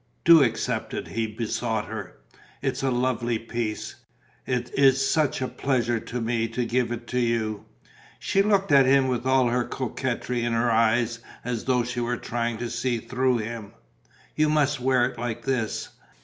"Do accept it," he besought her. "It is a lovely piece. It is such a pleasure to me to give it to you." She looked at him with all her coquetry in her eyes, as though she were trying to see through him. "You must wear it like this."